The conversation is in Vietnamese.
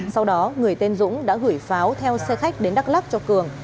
sau đó người tên dũng đã gửi pháo theo xe khách đến đắk lắc cho cường